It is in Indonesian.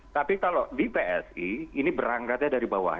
tapi kalau di psi ini berangkatnya dari bawah